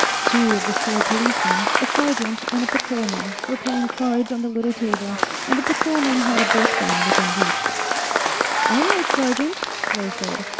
Two of the store policemen, a sergeant and a patrolman, were playing cards on the little table, and the patrolman had a burp gun within reach. "All right, sergeant," Claire said.